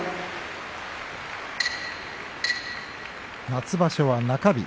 夏場所は中日